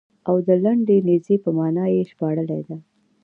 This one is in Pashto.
او د لنډې نېزې په معنا یې ژباړلې ده.